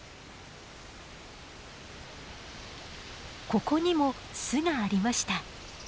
ここにも巣がありました。